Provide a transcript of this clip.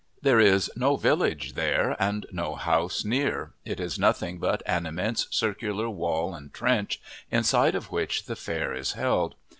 There is no village there and no house near; it is nothing but an immense circular wall and trench, inside of which the fair is held.